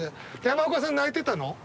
山岡さん泣いてたの？